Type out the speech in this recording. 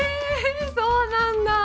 そうなんだ！